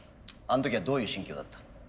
あの時はどういう心境だった？